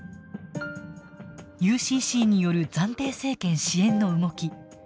ＵＣＣによる暫定政権支援の動き。